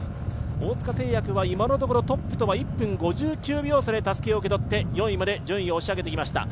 大塚製薬は今のところトップとは１分５９秒差でたすきを受け取って４位まで順位を押し上げてきました。